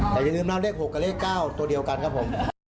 แต่อย่าลืมนะเลข๖กับเลข๙ตัวเดียวกันครับผม